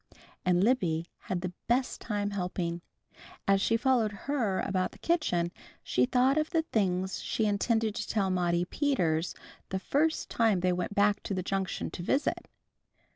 And Libby had the best time helping. As she followed Her about the kitchen she thought of the things she intended to tell Maudie Peters the first time they went back to the Junction to visit.